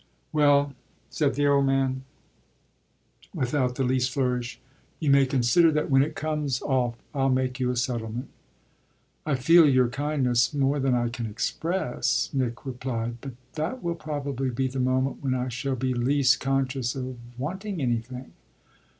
"Well," said the old man without the least flourish, "you may consider that when it comes off I'll make you a settlement." "I feel your kindness more than I can express," Nick replied; "but that will probably be the moment when I shall be least conscious of wanting anything."